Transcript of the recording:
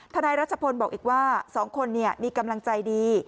นายรัชพลบอกอีกว่า๒คนมีกำลังใจดี